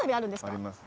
あります。